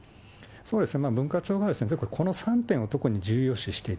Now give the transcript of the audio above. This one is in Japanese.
そうですね、文化庁がこの３点を特に重要視していた。